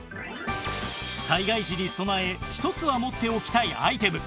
災害時に備え一つは持っておきたいアイテム